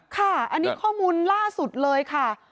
ค่ะอันนี้ข้อมูลล่าสุดเลยค่ะ